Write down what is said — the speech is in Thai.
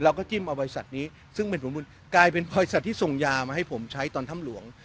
เราก็จิ่มเอาภายศาสตร์นี้ซึ่งกลายเป็นภายศาสตร์ที่ส่งยามาให้ผมใช้ตอนทำหลวง